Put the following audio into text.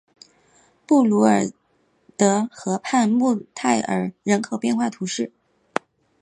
布卢尔德河畔穆泰尔人口变化图示